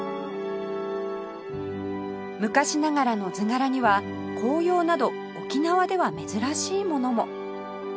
昔ながらの図柄には紅葉など沖縄では珍しいものも